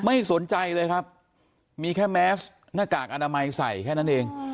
ไม่สนใจเลยครับมีแค่แมสหน้ากากอนามัยใส่แค่นั้นเอง